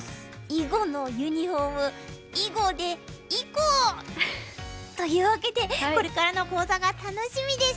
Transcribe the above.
囲碁のユニフォーム囲碁でいこう！というわけでこれからの講座が楽しみです。